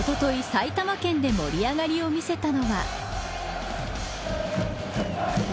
埼玉県で盛り上がりを見せたのは。